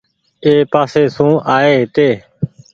اي پاسي سون آئي هيتي۔